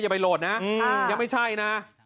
ไปโหลดนะยังไม่ใช่นะ